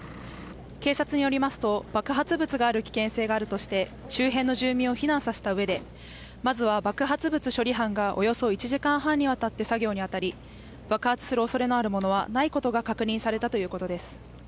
警察によりますと爆発物がある危険性があるとして、周辺の住民を避難させたうえでまずは爆発物処理班がおよそ１時間半にわたって作業に当たり爆発するおそれのあるものはないことが確認されたということです。